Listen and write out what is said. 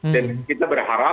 dan kita berhak